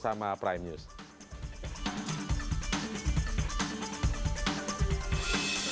alhamdulillah liburnya lama